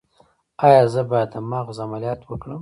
ایا زه باید د مغز عملیات وکړم؟